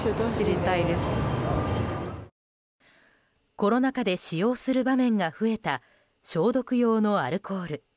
コロナ禍で使用する場面が増えた消毒用のアルコール。